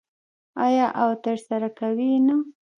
آیا او ترسره کوي یې نه؟